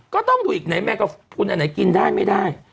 ก็ต้องดูอีกไหนแมงกระพุนอันไหนกินได้ไม่ได้